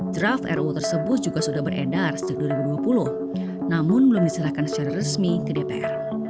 draft ruu tersebut juga sudah beredar sejak dua ribu dua puluh namun belum diserahkan secara resmi ke dpr